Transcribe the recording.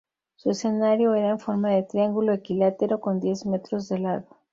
Su escenario era en forma de triángulo equilátero con diez metros de lado.